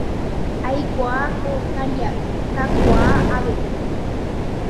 Aikuaa ko karia'y kakuaa, avevo.